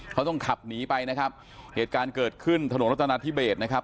เขาต้องขับหนีไปนะครับเหตุการณ์เกิดขึ้นถนนรัฐนาธิเบสนะครับ